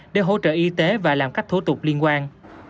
để hỗ trợ y tế và làm các thủ tục liên quan